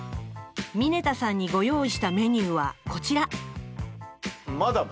峯田さんにご用意したメニューはこちらマダム